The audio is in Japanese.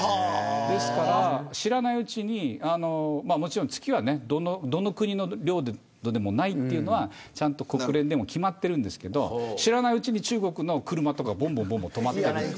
ですから知らないうちにもちろん月はどの国の領土でもないのはちゃんと国連でも決まっているんですけれど知らないうちに中国の車がぼんぼん止まっている。